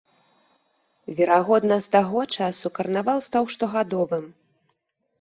Верагодна з таго часу карнавал стаў штогадовым.